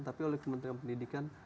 tapi oleh kementerian pendidikan